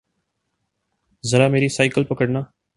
ذرامیری cycle پکڑنا